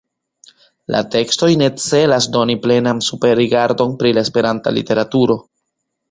La tekstoj ne celas doni plenan superrigardon pri la Esperanta literaturo.